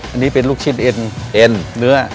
อันนี้เป็นลูกชิ้นเอ็นเอ็นเนื้อ